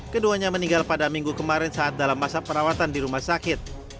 keduanya meninggal pada minggu kemarin saat dalam masa perawatan di rumah sakit